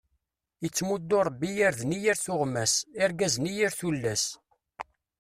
Ittemuddu ṛebbi irden i yir tuɣmas, irggazen i yir tullas.